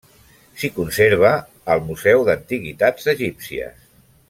S'hi conserva al Museu d'Antiguitats Egípcies.